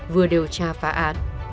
vừa điều tra phá án